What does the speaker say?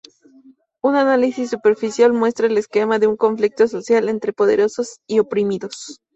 Un análisis superficial muestra el esquema de un conflicto social entre poderosos y oprimidos.